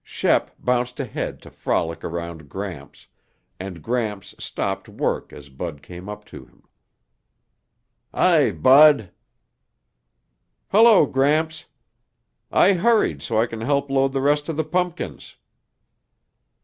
Shep bounced ahead to frolic around Gramps, and Gramps stopped work as Bud came up to him. "Hi, Bud." "Hello, Gramps. I hurried so I can help load the rest of the pumpkins."